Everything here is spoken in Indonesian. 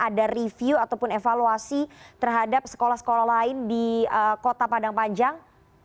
ada review ataupun evaluasi terhadap sekolah sekolah lain di kota padang panjang